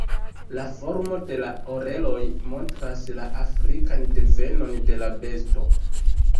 La formo de la oreloj montras la afrikan devenon de la besto.